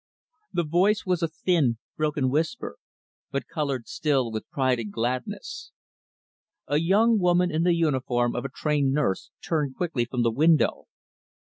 The voice was a thin, broken whisper; but colored, still, with pride and gladness. A young woman in the uniform of a trained nurse turned quickly from the window.